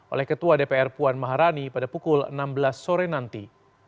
oleh ketua dpr puan maharani pada pukul enam belas sore nanti